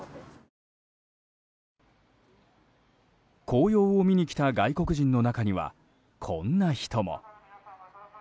紅葉を見に来た外国人の中にはこんな人も。